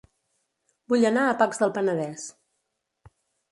Vull anar a Pacs del Penedès